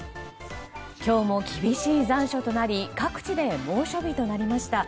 今日も厳しい残暑となり各地で猛暑日となりました。